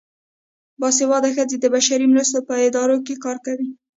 باسواده ښځې د بشري مرستو په ادارو کې کار کوي.